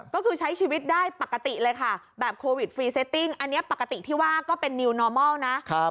ก็คือใช้ชีวิตได้ปกติเลยค่ะ